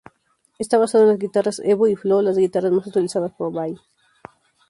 Está basado en las guitarras "Evo" y "Flo", las guitarras más utilizadas por Vai.